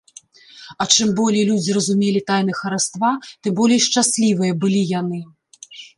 А чым болей людзі разумелі тайны хараства, тым болей шчаслівыя былі яны.